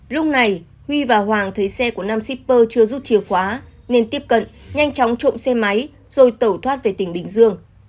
lúc này huy và hoàng thấy xe của nam shipper chưa rút chìa khóa nên tiếp cận nhanh chóng trộm xe máy rồi tẩu thoát về tỉnh bình dương